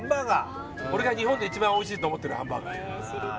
俺が日本で一番おいしいと思ってるハンバーガー。